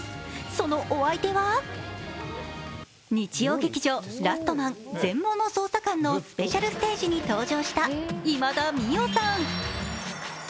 そのお相手は日曜劇場「ラストマン−全盲の捜査官−」のスペシャルステージに登場した今田美桜さん。